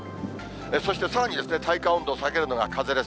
そしてさらに体感温度を下げるのが風です。